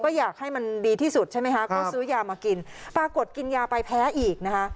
ก็อยากให้มันดีที่สุดใช่ไหมคะก็ซื้อยามากินปรากฏกินยาไปแพ้อีกนะคะ